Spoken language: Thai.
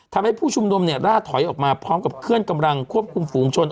ทำให้ผู้ชุมนุมล่าถอยออกมาพร้อมกับเคลื่อนกำลังควบคุมฝูงชน